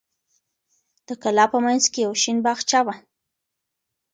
د کلا په منځ کې یو شین باغچه وه.